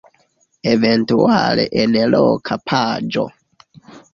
Eventuale en loka paĝo.